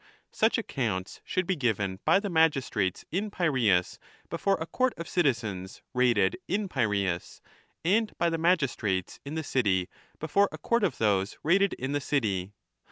Such accounts should be given by the magistrates in Piraeus before a court of citizens rated in Piraeus, and by the magistrates in the city before a court of those rated in the city.